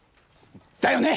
だよね！